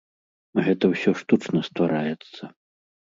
Гэта ўсё штучна ствараецца.